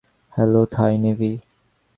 Hello, Thai navy.